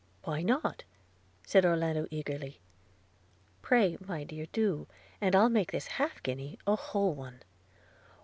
'Why not?' said Orlando eagerly – 'Pray, my dear, do, and I'll make this half guinea a whole one!'